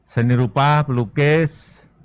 seni rupa pelukis